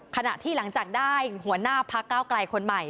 ขณะที่หลังจากได้หัวหน้าพักเก้าไกลคนใหม่